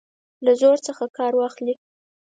له زور څخه کار واخلي.